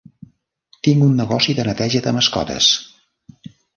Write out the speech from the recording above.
Tinc un negoci de neteja de mascotes.